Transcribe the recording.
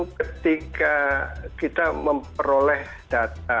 ketika kita memperoleh data